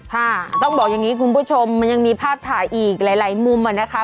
ค่ะต้องบอกอย่างนี้คุณผู้ชมมันยังมีภาพถ่ายอีกหลายมุมอะนะคะ